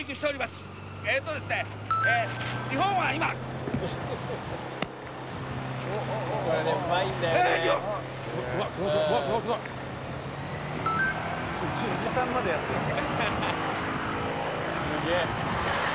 「すげえ」